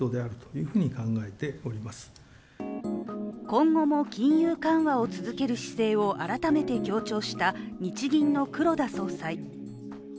今後も、金融緩和を続ける姿勢を改めて強調した日銀の黒田総裁。